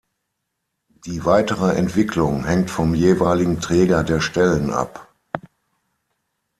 Die weitere Entwicklung hängt vom jeweiligen Träger der Stellen ab.